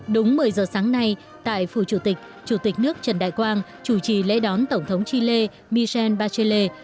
đúng một mươi giờ sáng nay tại phủ chủ tịch chủ tịch nước trần đại quang chủ trì lễ đón tổng thống chile michel bacheelle